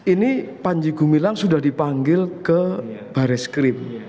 ini panji gumilang sudah dipanggil ke baris krim